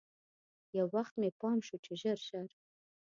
یو وخت مې پام شو چې ژر ژر.